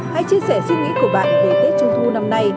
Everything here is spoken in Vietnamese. hãy chia sẻ suy nghĩ của bạn về tết trung thu năm nay